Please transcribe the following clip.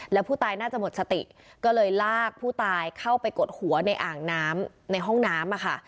แล้วผู้ตายน่าจะหมดสติก็เลยลากผู้ตายเข้าไปกดหัวในอ่างน้ำในห้องน้ำค่ะ